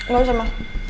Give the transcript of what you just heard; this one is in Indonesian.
gak usah ma